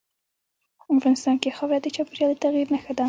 افغانستان کې خاوره د چاپېریال د تغیر نښه ده.